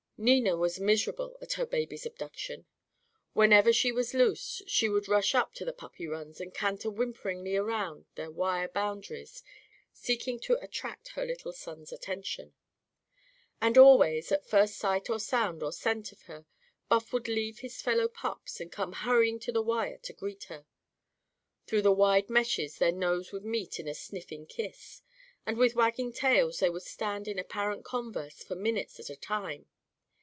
Nina was miserable at her baby's abduction. Whenever she was loose she would rush up to the puppy runs and canter whimperingly around their wire boundaries, seeking to attract her little son's attention. And always, at first sight or sound or scent of her, Buff would leave his fellow pups and come hurrying to the wire to greet her. Through the wide meshes their noses would meet in a sniffing kiss; and with wagging tails they would stand in apparent converse for minutes at a time.